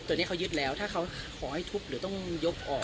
ตัวนี้เขายึดแล้วถ้าเขาขอให้ทุบหรือต้องยกออก